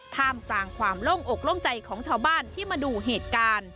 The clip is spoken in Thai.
ท่ามกลางความโล่งอกโล่งใจของชาวบ้านที่มาดูเหตุการณ์